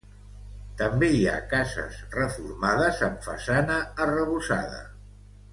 També hi ha cases reformades amb façana arrebossada.